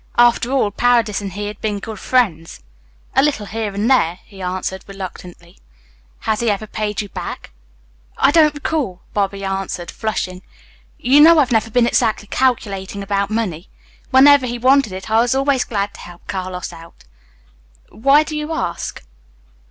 After all, Paredes and he had been good friends. "A little here and there," he answered reluctantly. "Has he ever paid you back?" "I don't recall," Bobby answered, flushing. "You know I've never been exactly calculating about money. Whenever he wanted it I was always glad to help Carlos out. Why do you ask?"